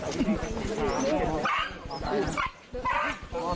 หลังจากที่สุดยอดเย็นหลังจากที่สุดยอดเย็น